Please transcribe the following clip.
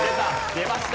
出ました。